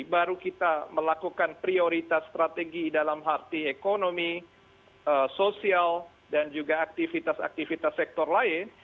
baru kita melakukan prioritas strategi dalam arti ekonomi sosial dan juga aktivitas aktivitas sektor lain